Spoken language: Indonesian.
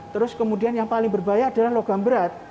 terus kemudian yang paling berbahaya adalah logam berat